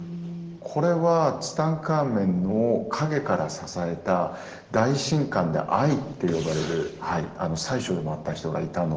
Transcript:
これはツタンカーメンを陰から支えた大神官で「アイ」って呼ばれる宰相でもあった人がいたのと